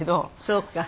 そうか。